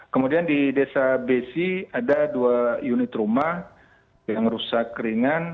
kemudian di desa besi ada dua unit rumah yang rusak ringan